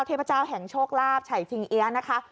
เทพเจ้าแห่งโชคลาภไฉสิงเอี๊ยะนะคะ